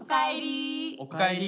おかえり！